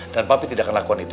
dan papi tidak akan lakukan itu